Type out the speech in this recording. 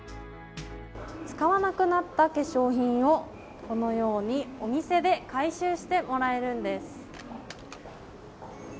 使わなくなった化粧品を、このようにお店で回収してもらえるんです。